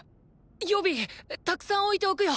予備たくさん置いておくよ！